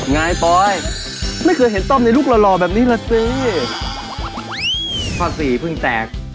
ไงปุ๋ยไม่เคยเห็นต้องในลูกเหล้ารอแบบนี้ล่ะจิข้อสี่เพิ่งแตก